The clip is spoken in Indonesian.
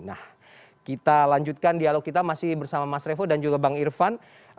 nah kita lanjutkan dialog kita masih bersama mas revo dan juga bang irfan